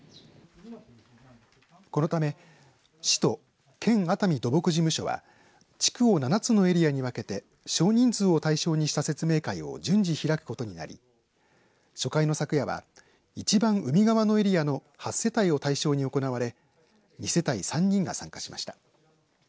このため市と県、熱海でも土木事務所は地区を７つのエリアに分けて少人数を対象にした説明会を順次開くことになり初回の昨夜は一番海側のエリアの８世帯を対象に行われ２世帯３人が参加しました。